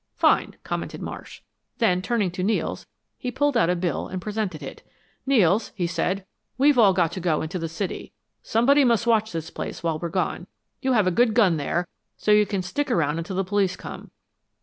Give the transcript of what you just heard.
"Fine!" commented Marsh. Then turning to Nels, he pulled out a bill and presented it. "Nels," he said, "we've all got to go into the city. Somebody must watch this place while we're gone. You have a good gun there, so you can stick around until the police come."